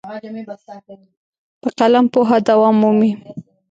په قلم پوهه دوام مومي.